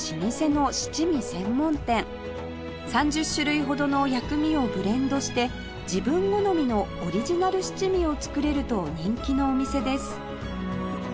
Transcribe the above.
３０種類ほどの薬味をブレンドして自分好みのオリジナル七味を作れると人気のお店です